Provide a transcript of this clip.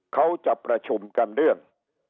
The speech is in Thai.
เขาจะประชุมกันเรื่อง